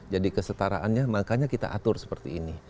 jadi kesetaraannya makanya kita atur seperti ini